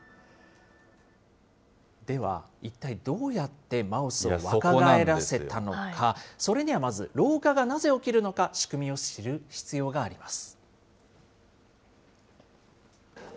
では、一体どうやってマウスを若返らせたのか、それにはまず、老化がなぜ起きるのか、仕組みを知る必要があります。